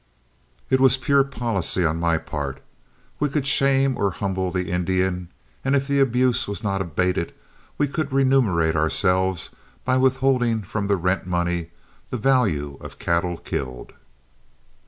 It was pure policy on my part, as we could shame or humble the Indian, and if the abuse was not abated, we could remunerate ourselves by with holding from the rent money the value of cattle killed.